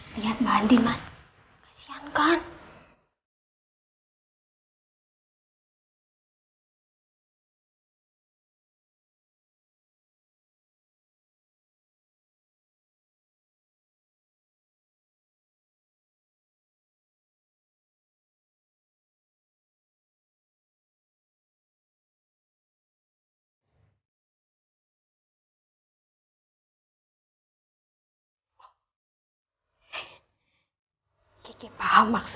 liat mbak andin mas